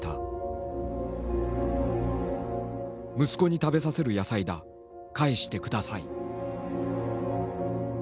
「息子に食べさせる野菜だ。返して下さい」。